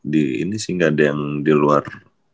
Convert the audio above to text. di ini sih gak ada yang di luar